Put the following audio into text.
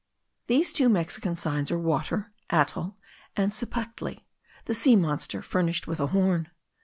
These two Mexican signs are Water (Atl) and Cipactli, the sea monster furnished with a horn.